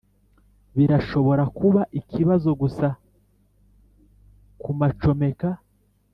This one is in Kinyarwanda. birashobora kuba ikibazo gusa kumacomeka.